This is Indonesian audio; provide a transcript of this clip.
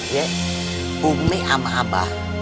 ye bumi sama abah